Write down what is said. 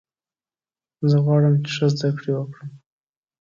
زه غواړم چې ښه زده کړه وکړم.